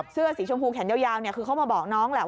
เสื้อสีชมพูแขนยาวคือเขามาบอกน้องแหละ